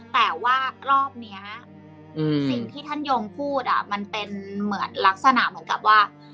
แต่ว่ารอบนี้สิ่งที่ท่านยงพูดมันเป็นเหมือนลักษณะเหมือนกับว่า